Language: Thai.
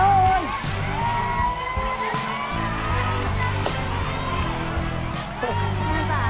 คุณภาษา